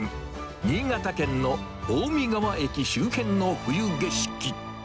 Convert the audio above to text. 新潟県の青海川駅周辺の冬景色。